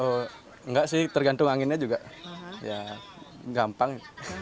oh enggak sih tergantung anginnya juga ya gampang